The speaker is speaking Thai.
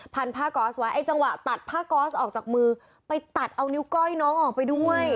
ผ้าก๊อสไว้ไอ้จังหวะตัดผ้าก๊อสออกจากมือไปตัดเอานิ้วก้อยน้องออกไปด้วย